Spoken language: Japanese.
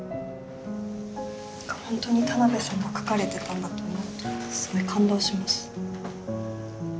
本当に田辺さんが書かれてたんだと思うとすごい感動します。